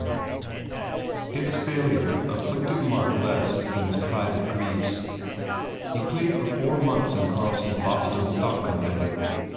Its failure afflicted Mark less than his private griefs. He played for four months in Carlson s Boston stock company.